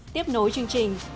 tiếp nối chương trình